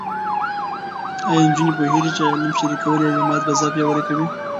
ایا نجونې پوهېږي چې علم شریکول د اعتماد فضا پیاوړې کوي؟